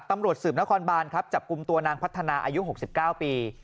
ตำรวจสืบนครบานครับจับกลุ่มตัวนางพัฒนาอายุ๖๙ปี